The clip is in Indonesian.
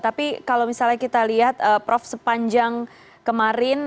tapi kalau misalnya kita lihat prof sepanjang kemarin